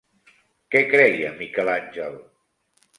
Què creia Miquel Àngel?